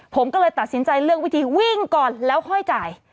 ผมก็เลยตัดสินใจเลือกวิธีวิ่งก่อนแล้วค่อยจ่าย